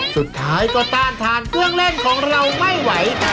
สุดท้ายก็ต้านทานเครื่องเล่นของเราไม่ไหว